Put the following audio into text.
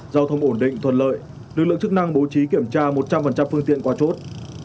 giao thông ổn định thuận lợi lực lượng chức năng bố trí kiểm tra một trăm linh phương tiện qua chốt